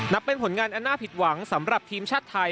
เป็นผลงานอันน่าผิดหวังสำหรับทีมชาติไทย